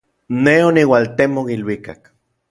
Nej oniualtemok iluikak.